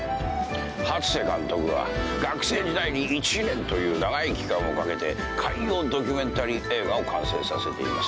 初瀬監督は学生時代に１年という長い期間をかけて海洋ドキュメンタリー映画を完成させています。